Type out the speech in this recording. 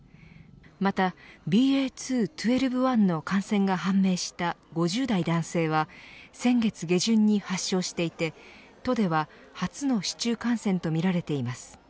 またＢＡ．２．１２．１の感染が判明した５０代男性は先月下旬に発症していて都では初の市中感染とみられています。